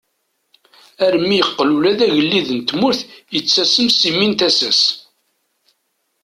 Armi yeqqel ula d agellid n tmurt yettasem si mmi n tasa-s.